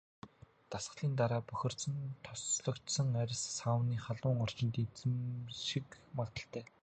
Дасгалын дараа бохирдсон, тослогжсон арьс сауны халуун орчинд эмзэгших магадлалтай.